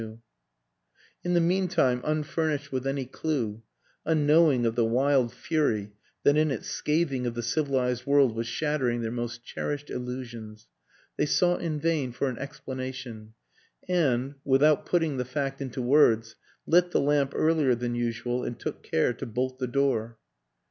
74 WILLIAM AN ENGLISHMAN In the meantime, unfurnished with any clew, un knowing of the wild fury that in its scathing of the civilized world was shattering their most cherished illusions, they sought in vain for an ex planation, and without putting the fact into words lit the lamp earlier than usual and took care to bolt the door.